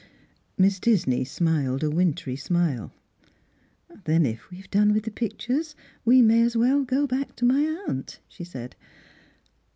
Miss Disney smiled a wintry smile. " Then if we have done with the pictures, we may as well go back to my aunt," she said.